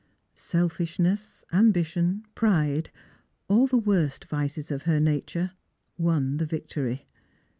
Selfishness, ambition, pride— all the worst vices of her nature — won the victory.